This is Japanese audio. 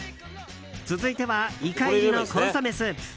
続いてはイカ入りのコンソメスープ。